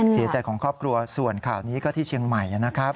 เสียใจของครอบครัวส่วนข่าวนี้ก็ที่เชียงใหม่นะครับ